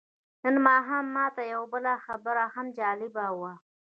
نن ماښام ماته یوه بله خبره هم جالبه وه.